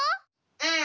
うん！